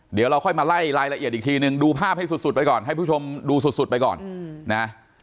เดี๋ยวเราค่อยมาไล่รายละเอียดอีกทีนึงดูภาพให้สุดไปก่อนให้ผู้ชมดูสุดไปก่อนนะ